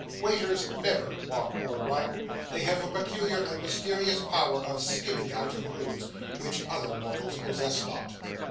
Waiters never walk or run. They have a peculiar and mysterious power of skimming out of rooms, which other mortals possess not.